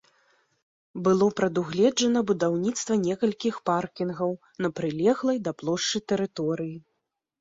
Было прадугледжана будаўніцтва некалькіх паркінгаў на прылеглай да плошчы тэрыторыі.